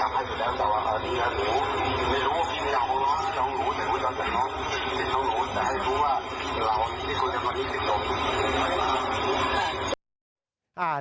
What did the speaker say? พี่ต้องดูแล